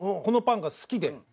このパンが好きで。